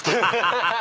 ハハハハ！